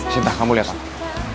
sinta kamu lihat apa